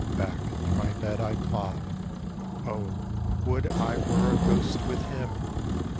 Back to my bed I plod ; Oh, would I were a ghost with him.